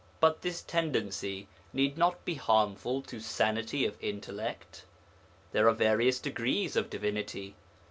But this tendency need not be harmful to sanity of intellect. There are various degrees of divinity.